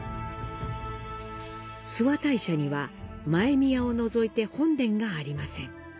諏訪大社には、前宮を除いて本殿がありません。